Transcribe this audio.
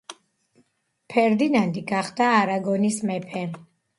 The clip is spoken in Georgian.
ფერდინანდი გახდა არაგონის მეფე.